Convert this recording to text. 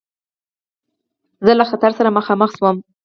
زه له خطر سره مخامخ شوم.